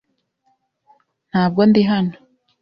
Ntabwo ndi hano.